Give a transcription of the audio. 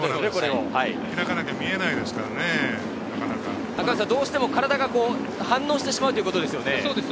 開かなきゃ見えないですどうしても体が反応してしまうということですよね。